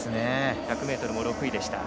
１００ｍも６位でした。